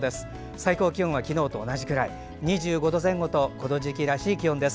最高気温は昨日と同じくらい２５度前後とこの時期らしい気温です。